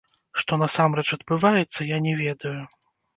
Што насамрэч адбываецца, я не ведаю.